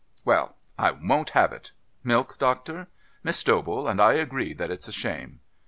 "Well, I won't have it. Milk, doctor? Miss Dobell and I agree that it's a shame."